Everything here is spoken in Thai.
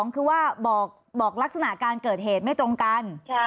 คือว่าบอกลักษณะการเกิดเหตุไม่ตรงกัน